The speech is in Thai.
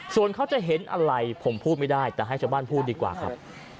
ส่วนเขาจะเห็นอะไรผมพูดไม่ได้แต่ให้ชาวบ้านพูดดีกว่าครับ